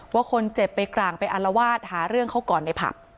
ว่าคนเจ็บไปกลางไปอารวาสหาเรื่องเขาก่อนในผับ